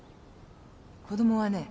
子供はね